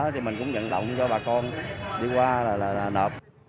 thì mình cũng nhận động cho bà con đi qua là nộp